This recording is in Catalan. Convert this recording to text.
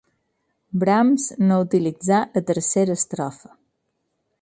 Brahms no utilitzà la tercera estrofa.